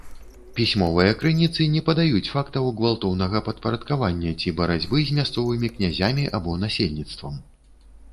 Пісьмовыя крыніцы не падаюць фактаў гвалтоўнага падпарадкавання ці барацьбы з мясцовымі князямі або насельніцтвам.